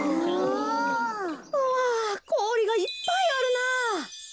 わこおりがいっぱいあるなぁ。